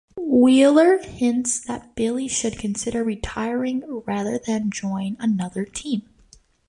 Wheeler hints that Billy should consider retiring rather than join another team.